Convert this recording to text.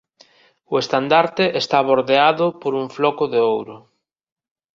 O estandarte está bordeado por un floco de ouro.